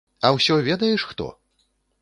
А ўсё ведаеш хто?